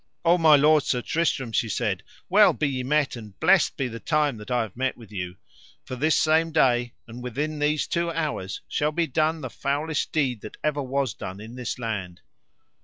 O my lord Sir Tristram, she said, well be ye met, and blessed be the time that I have met with you; for this same day, and within these two hours, shall be done the foulest deed that ever was done in this land.